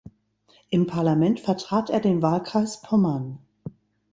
Im Parlament vertrat er den Wahlkreis Pommern.